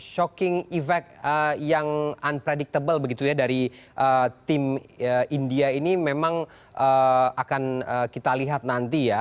shocking effect yang unpredictable begitu ya dari tim india ini memang akan kita lihat nanti ya